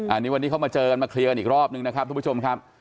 อันนี้วันนี้เขามาเจอกันมาเคลียร์กันอีกรอบนึงนะครับทุกผู้ชมครับ